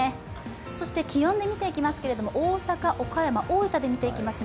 そして、気温で見ていきますが大阪、岡山、大分で見ていきますう。